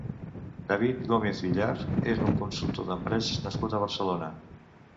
David Gómez Villar és un consultor d'empreses nascut a Barcelona.